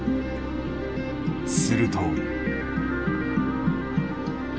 すると。